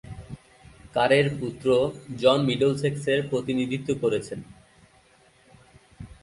কারের পুত্র জন মিডলসেক্সের প্রতিনিধিত্ব করেছেন।